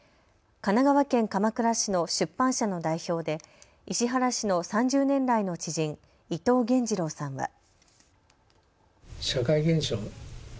神奈川県鎌倉市の出版社の代表で石原氏の３０年来の知人、伊藤玄二郎さんは。